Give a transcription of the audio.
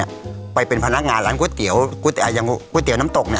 เยอะคือเครื่องแน่นมาก